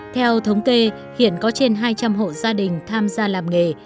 theo thống kê hiện có trên hai trăm linh hộ gia đình tham gia làm nghề